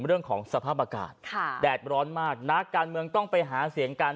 เรื่องของสภาพอากาศค่ะแดดร้อนมากนักการเมืองต้องไปหาเสียงกัน